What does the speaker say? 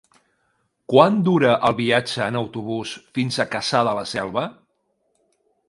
Quant dura el viatge en autobús fins a Cassà de la Selva?